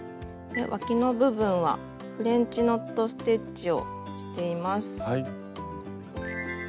わきの部分はフレンチノット・ステッチをしています。